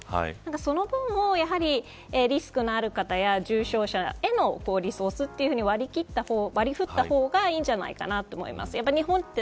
その分をリスクのある方や重症者へのリソースというふうに割り振った方がいいんじゃないかなと思います。